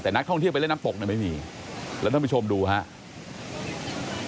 แต่นักท่องเที่ยวไปเล่นน้ำตกเนี่ยไม่มีแล้วท่านผู้ชมดูครับ